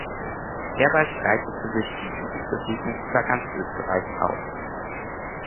Sehr bald breitete sich die Jugendbewegung über ganz Österreich aus.